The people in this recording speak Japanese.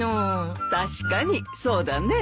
確かにそうだね。